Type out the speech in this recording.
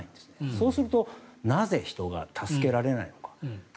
そうするとなぜ人が助けられないのか。